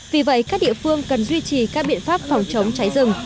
vì vậy các địa phương cần duy trì các biện pháp phòng chống cháy rừng